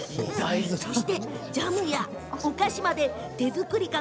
ジャムやお菓子まで手作り感